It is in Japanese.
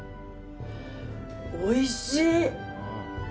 おいしい。